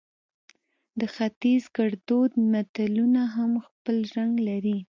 د ختیز ګړدود متلونه هم خپل رنګ لري